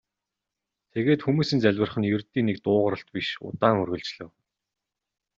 Тэгээд хүмүүсийн залбирах нь ердийн нэг дуугаралт биш удаан үргэлжлэв.